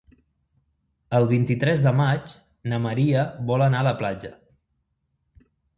El vint-i-tres de maig na Maria vol anar a la platja.